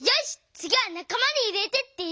つぎは「なかまにいれて」っていう！